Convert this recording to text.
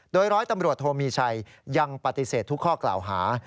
โดยร้อยตำรวจโทมีชัยยังปฏิเสธทุกข้อกล่าวหา